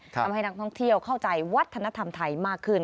ทำให้นักท่องเที่ยวเข้าใจวัฒนธรรมไทยมากขึ้น